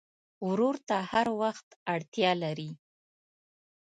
ورور ته هر وخت اړتیا لرې.